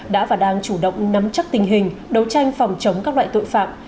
đã và đang chủ động nắm chắc tình hình đấu tranh phòng chống các loại tội phạm